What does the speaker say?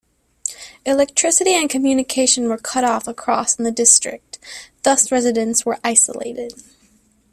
Electricity and communication were cut off across in the district, thus residents were isolated.